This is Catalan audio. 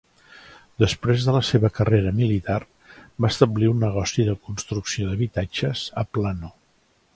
Després de la seva carrera militar, va establir un negoci de construcció d'habitatges a Plano.